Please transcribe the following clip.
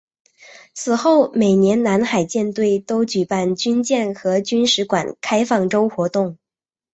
此后每年南海舰队都举办军舰和军史馆开放周活动。